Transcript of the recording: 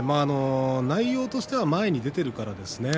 内容としては前に出ているからですね